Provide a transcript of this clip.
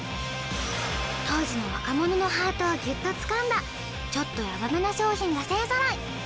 当時の若者のハートをギュッとつかんだちょっとヤバめな商品が勢ぞろい